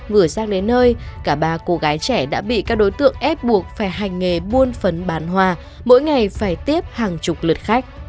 vừa sang đến nơi cả ba cô gái trẻ đã bị các đối tượng ép buộc phải hành nghề buôn phần bán hoa mỗi ngày phải tiếp hàng chục lượt khách